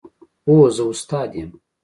هو، زه استاد یم